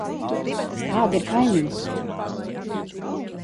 Kādi ir kaimiņi?